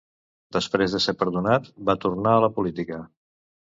Després de ser perdonat, va tornar a la política.